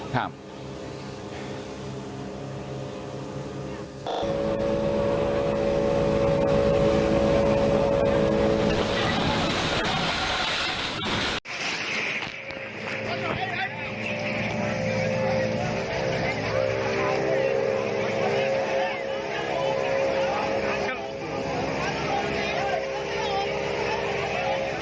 นี่ก็เป็นอีกมุมนึงนะครับ